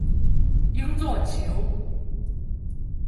应作虬。